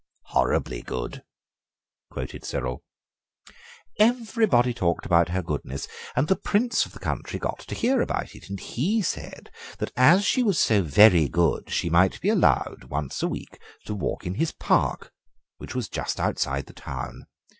"Horribly good," quoted Cyril. "Everybody talked about her goodness, and the Prince of the country got to hear about it, and he said that as she was so very good she might be allowed once a week to walk in his park, which was just outside the town.